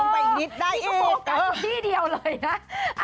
ลงไปอีกนิดได้อีกเออ